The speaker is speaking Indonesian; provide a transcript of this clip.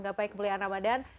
gapai kemuliaan ramadan